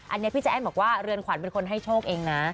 อันนี้พี่ใจแอ้นบอกว่าเรือนขวัญเป็นคนให้โชคเองนะ